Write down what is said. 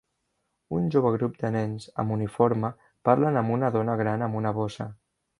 Un jove grup de nens amb uniforme parlen amb una dona gran amb una bossa.